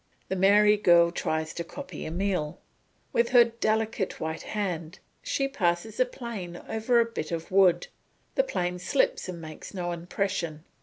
The merry girl tries to copy Emile. With her delicate white hand she passes a plane over a bit of wood; the plane slips and makes no impression.